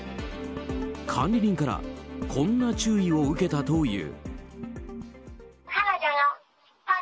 管理人からこんな注意を受けたという。